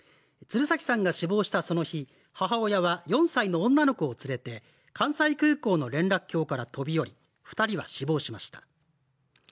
鶴崎さんが死亡したその日、母親は４歳の女の子を連れて関西空港の連絡橋から飛び降り２人は死亡しました。